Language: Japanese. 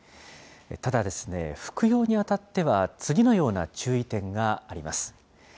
ただ、服用にあたっては、次のような注意点があります。